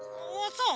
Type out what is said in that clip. そう？